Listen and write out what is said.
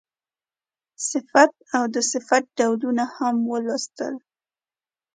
صفت او د صفت ډولونه هم ولوستل.